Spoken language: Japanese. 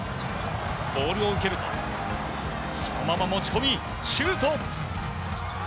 ボールを受けるとそのまま持ち込み、シュート！